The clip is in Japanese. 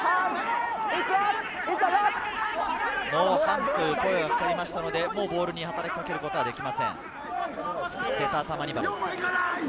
ノーハンズ！という声がかかりましたので、もうボールに働きかけることはできません。